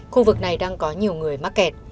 khu vực này đang có nhiều người mắc kẹt